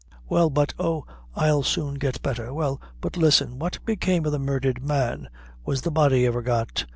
Well, but oh, I'll soon get better well, but listen, what became of the murdhered man? was the body ever got?"